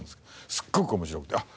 すっごく面白くてあっ